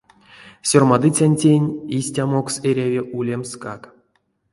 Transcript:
Сёрмадыцянтень истямокс эряви улемскак.